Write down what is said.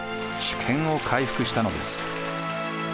主権を回復したのです。